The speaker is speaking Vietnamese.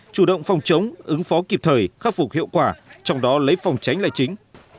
chủ động phòng chống ứng phó kịp thời khắc phục hiệu quả trong đó lấy phòng tránh là chính